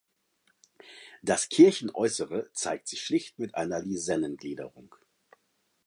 Das Kirchenäußere zeigt sich schlicht mit einer Lisenengliederung.